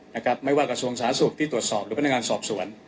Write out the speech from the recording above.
นะครับไม่ว่ากระทรวงสาธารณสุขที่ตรวจสอบหรือพนักงานสอบสวน